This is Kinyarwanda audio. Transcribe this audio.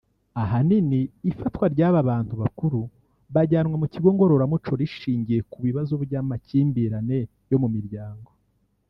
Ahanini ifatwa ry’aba bantu bakuru bajyanwa mu kigo ngororamuco rishingiye ku bibazo by’amakimbirane yo mu miryango